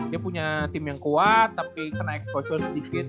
dia punya tim yang kuat tapi kena exposure sedikit